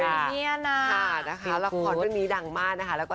แต่งแบบโมเงียนค่ะละครเรื่องนี้ดังมากนะคะ